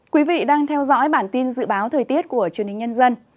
quý vị đang theo dõi bản tin dự báo thời tiết của truyền hình nhân dân